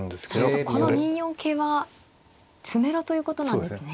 するとこの２四桂は詰めろということなんですね。